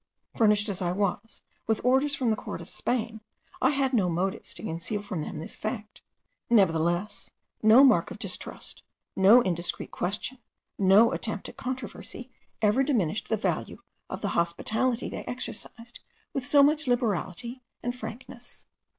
Furnished as I was with orders from the court of Spain, I had no motives to conceal from them this fact; nevertheless, no mark of distrust, no indiscreet question, no attempt at controversy, ever diminished the value of the hospitality they exercised with so much liberality and frankness.